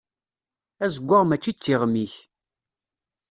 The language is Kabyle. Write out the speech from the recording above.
Azeggaɣ mačči d tiɣmi-k.